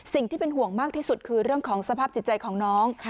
สิ่งที่เป็นห่วงมากที่สุดคือเรื่องของสภาพจิตใจของน้อง